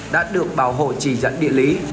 đã được bảo hộ chỉ dẫn địa lý